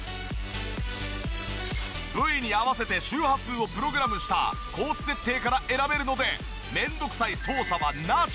部位に合わせて周波数をプログラムしたコース設定から選べるので面倒くさい操作はなし。